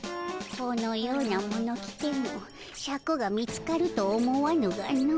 このようなもの着てもシャクが見つかると思わぬがの。